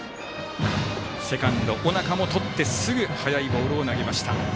セカンド、尾中もとってすぐ速いボールを投げました。